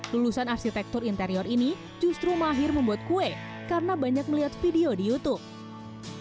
lulusan arsitektur interior ini justru mahir membuat kue karena banyak melihat video di youtube